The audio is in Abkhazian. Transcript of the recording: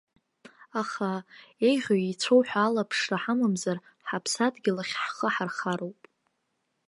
Аха, еиӷьу-еицәоу ҳәа алаԥшра ҳамамзар, ҳаԥсадгьыл ахь ҳхы ҳархароуп.